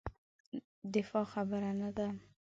دفاع خبره نه ده.